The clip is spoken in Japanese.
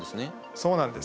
そうなんです。